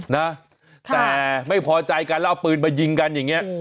นะแต่ไม่พอใจกันแล้วเอาปืนมายิงกันอย่างนี้